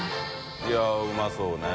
いやうまそうね。